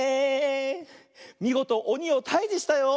みごとおにをたいじしたよ。